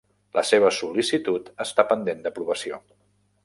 La teva sol·licitud està pendent d'aprovació.